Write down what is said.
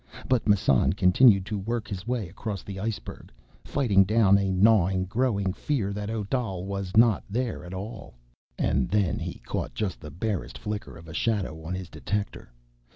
But Massan continued to work his way across the iceberg, fighting down a gnawing, growing fear that Odal was not there at all. And then he caught just the barest flicker of a shadow on his detector.